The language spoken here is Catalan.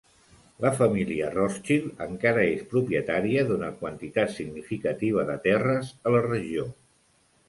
La família Rothschild encara és propietària d'una quantitat significativa de terres a la regió.